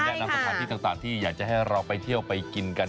แนะนำสถานที่ต่างที่อยากจะให้เราไปเที่ยวไปกินกัน